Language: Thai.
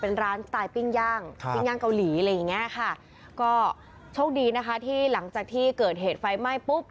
เป็นร้านสไตล์ปิ้งย่างปิ้งย่างเกาหลีอะไรอย่างเงี้ยค่ะก็โชคดีนะคะที่หลังจากที่เกิดเหตุไฟไหม้ปุ๊บ